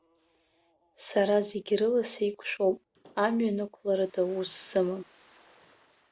Сара зегь рыла сеиқәшәоуп, амҩа анықәларада ус сымам.